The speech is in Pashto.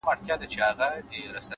زحمت د ارمانونو ریښې ژوروي,